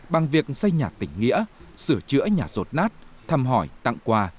bằng việc xây nhà tỉnh nghĩa sửa chữa nhà rột nát thăm hỏi tặng quà